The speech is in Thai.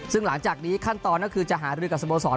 ซึ่งหลังจากนี้ขั้นตอนก็คือจะหารือกับสโมสร